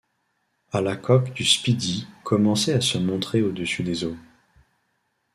Ala coque du Speedy commençait à se montrer au-dessus des eaux.